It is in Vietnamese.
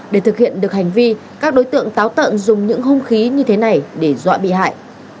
để thực hiện được hành vi các đối tượng táo tận dùng những hung khí như thế này để dọa bị hại